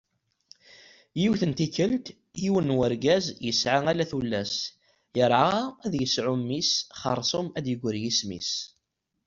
Yiwet n tikkelt, yiwen n urgaz, yesεa ala tullas, yerγa ad yesεu mmi-s, xersum ad d-yegri yisem-is.